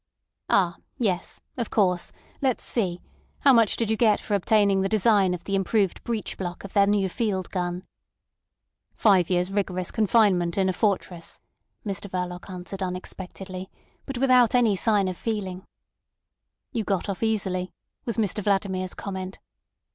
"Ah! Yes. Of course. Let's see. How much did you get for obtaining the design of the improved breech block of their new field gun?" "Five years' rigorous confinement in a fortress," Mr Verloc answered unexpectedly, but without any sign of feeling. "You got off easily," was Mr Vladimir's comment.